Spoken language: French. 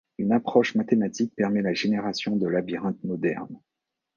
Une approche mathématique permet la génération de labyrinthes modernes.